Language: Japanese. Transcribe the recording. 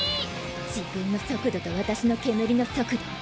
自分の速度と私の煙の速度。